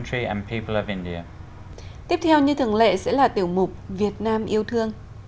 tiếp theo như thường lệ sẽ là tiểu mục việt nam yêu thương